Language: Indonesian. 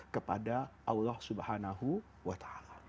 kepada allah subhanahu wa ta'ala